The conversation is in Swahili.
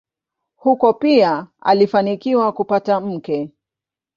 Huko pia alifanikiwa kupata mke.